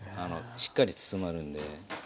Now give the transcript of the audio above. しっかり包まるんで。